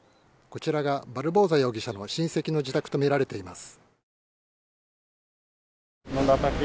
こちらがバルボサ容疑者の親戚の自宅とみられています。